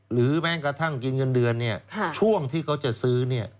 แม้กระทั่งกินเงินเดือนเนี่ยช่วงที่เขาจะซื้อเนี่ย